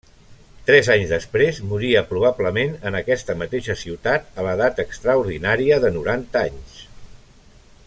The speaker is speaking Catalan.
Tres anys després moria, probablement en aquesta mateixa ciutat, a l'edat extraordinària de noranta anys.